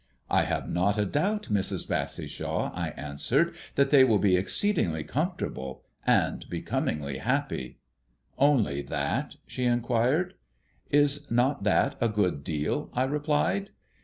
"I have not a doubt, Mrs. Bassishaw," I answered, "that they will be exceedingly comfortable and becomingly happy." "Only that?" she inquired. "Is not that a good deal?" I replied.